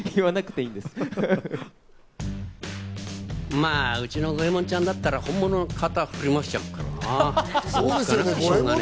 まぁ、うちの五エ門ちゃんだったら本物の刀、振り回しちゃうからな。